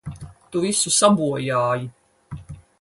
Tu visu sabojāji!